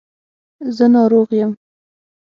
زه ناروغ یم.